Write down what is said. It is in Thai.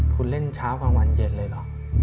คุณเล่นเช้าก่อนหวั่นเย็นเลยหรือ